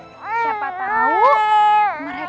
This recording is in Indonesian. siapa tau mereka udah siapin sesuatu buat mama